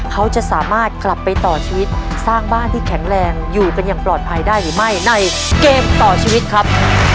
เขาจะสามารถกลับไปต่อชีวิตสร้างบ้านที่แข็งแรงอยู่กันอย่างปลอดภัยได้หรือไม่ในเกมต่อชีวิตครับ